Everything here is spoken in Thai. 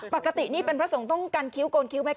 ปกตินี่เป็นพระสงฆ์ต้องกันคิ้วโกนคิ้วไหมค